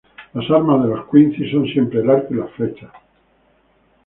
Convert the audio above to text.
Las armas de los quincy son siempre el arco y las flechas.